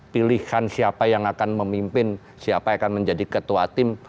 pilihkan siapa yang akan memimpin siapa yang akan menjadi ketua tim